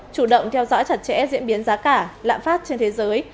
chủ động theo dõi chặt chẽ diễn biến giá cả lạm phát trên thế giới